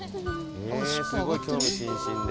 すごい興味津々で。